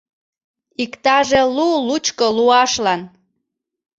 Иктаже лу-лучко луашлан